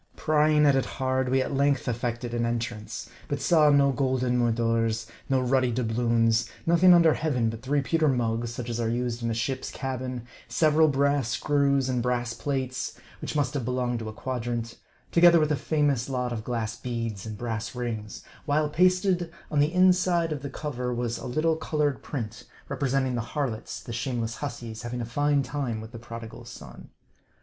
Prying at it 78 MARDL hard, we at length effected an entrance ; but saw no golden moidores, no ruddy doubloons ; nothing under heaven but three pewter mugs, such as are used in a ship's cabin, sev eral brass screws, and brass plates, which must have belonged to a quadrant ; together with a famous lot of glass beads, and brass rings ; while, pasted on the inside of the cover, was a little colored print, representing the harlots, the shame less hussies, having a fine time with the Prodigal Son.